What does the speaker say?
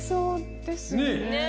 ですよね